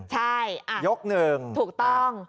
ใช่ถูกต้องยกหนึ่ง